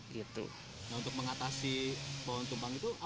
nah untuk mengatasi pohon tumbang itu apa